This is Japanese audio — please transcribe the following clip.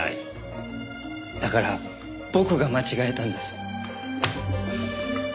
だから僕が間違えたんです。